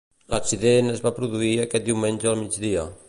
L'accident es va produir aquest diumenge al migdia.